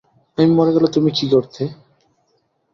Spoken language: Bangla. আমি মরে গেলে তুমি কী করতে?